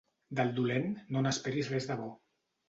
Del dolent no n'esperis res de bo.